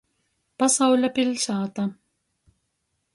Pasauļa piļsāta.